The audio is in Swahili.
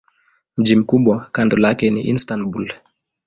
Mji mkubwa kando lake ni Istanbul.